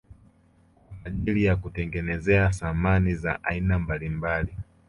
Kwa ajili ya kutengenezea samani za aina mbalimbali